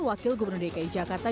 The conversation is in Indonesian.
wakil gubernur dki jakarta